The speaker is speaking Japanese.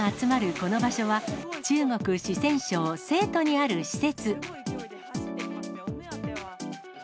この場所は、中国・四川省成都にある施設。